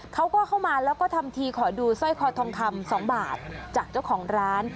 เขาก็เข้ามาแล้วก็ทำทีขอดูสร้อยคอทองคำ๒บาทจากเจ้าของร้าน